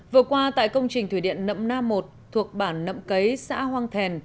vừa qua tại công trình thủy điện nậm na một thuộc bản nậm cấy xã hoang thèn